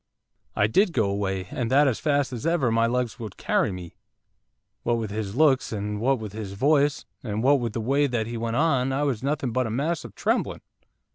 'I did go away, and that as fast as ever my legs would carry me, what with his looks, and what with his voice, and what with the way that he went on, I was nothing but a mass of trembling.